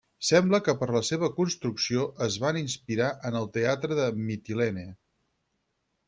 Sembla que per a la seva construcció es van inspirar en el teatre de Mitilene.